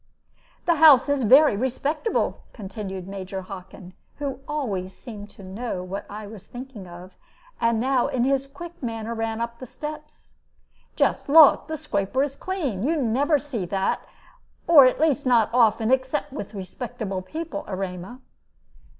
"The house is very respectable," continued Major Hockin, who always seemed to know what I was thinking of, and now in his quick manner ran up the steps; "just look, the scraper is clean. You never see that, or at least not often, except with respectable people, Erema."